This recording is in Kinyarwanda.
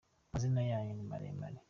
Amazina yanyu ni maremare.